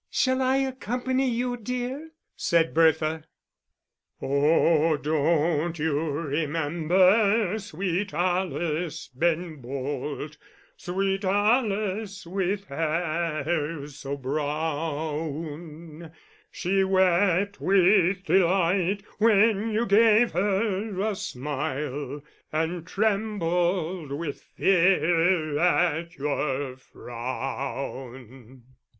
"Shall I accompany you, dear?" said Bertha. "Oh! don't you remember sweet Alice, Ben Bolt, Sweet Alice with hai air so brow own; She wept with delight when you gave her a smile, _And trembled with fe ar at your frown.